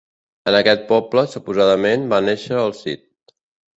En aquest poble suposadament va néixer El Cid.